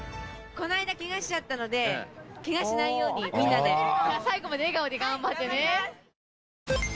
この間ケガしちゃったのでケガしないようにみんなで最後まで笑顔で頑張ってねはい頑張ります